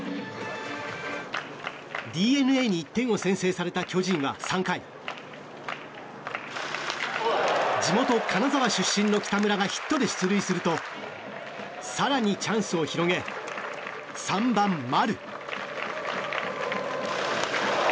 ＤｅＮＡに１点を先制された巨人は３回地元・金沢出身の北村がヒットで出塁すると更にチャンスを広げ３番、丸。